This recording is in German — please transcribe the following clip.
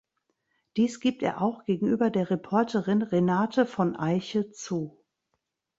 Dies gibt er auch gegenüber der Reporterin Renate von Eiche zu.